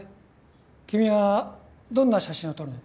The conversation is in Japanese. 君はどんな写真を撮るの？